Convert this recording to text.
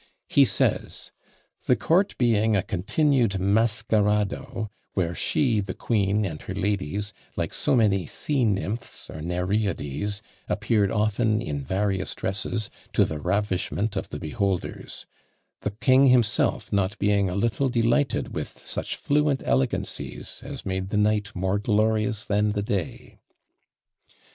He says, "The court being a continued maskarado, where she (the queen) and her ladies, like so many sea nymphs or Nereides, appeared often in various dresses, to the ravishment of the beholders; the king himself not being a little delighted with such fluent elegancies as made the night more glorious than the day."